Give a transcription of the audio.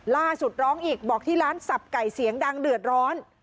ร้องอีกบอกที่ร้านสับไก่เสียงดังเดือดร้อน